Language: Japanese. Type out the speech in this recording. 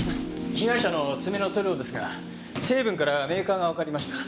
被害者の爪の塗料ですが成分からメーカーがわかりました。